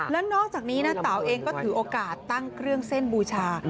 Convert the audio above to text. แล้วนอกจากนี้นะเต๋าเองก็ถือโอกาสตั้งเครื่องเส้นบูชา